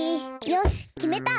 よしきめた！